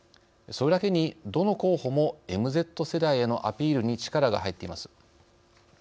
それだけに、どの候補もＭＺ世代へのアピールに力が入っています。